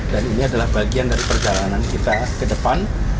dan ini adalah bagian dari perjalanan kita ke depan